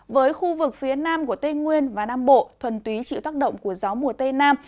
với khu vực phía nam của tây nguyên và nam bộ thuần túy chịu tác động của gió mùa tây nam